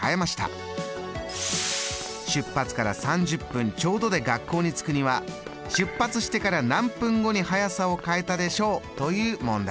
出発から３０分ちょうどで学校に着くには出発してから何分後に速さを変えたでしょう」という問題でした。